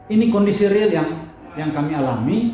ini kondisi real yang kami alami